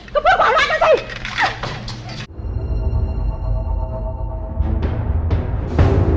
ก็เพิ่งบอกร้ายกันสิ